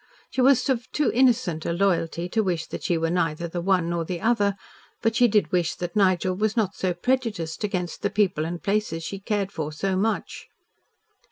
She was of too innocent a loyalty to wish that she was neither the one nor the other, but she did wish that Nigel was not so prejudiced against the places and people she cared for so much.